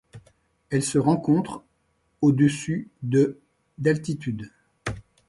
Elle se rencontre au-dessus de d'altitude.